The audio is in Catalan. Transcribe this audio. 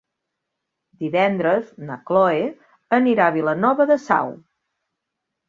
Divendres na Cloè anirà a Vilanova de Sau.